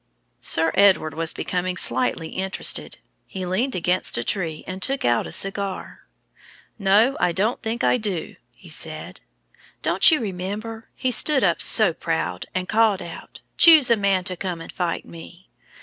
Sir Edward was becoming slightly interested. He leaned against a tree and took out a cigar. "No, I don't think I do," he said. "Don't you remember? He stood up so proud, and called out: 'Choose a man to come and fight me.'